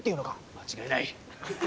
間違いない！